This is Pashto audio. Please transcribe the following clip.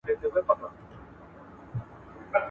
ادب، سياست او ټولنه